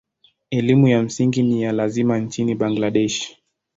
Elimu ya msingi ni ya lazima nchini Bangladesh.